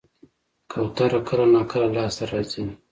کوتره کله ناکله لاس ته راځي.